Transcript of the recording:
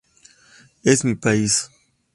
Es mi país.